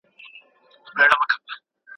که نورو ته بخښنه ونه کړې نو ذهن به دي ارام نه وي.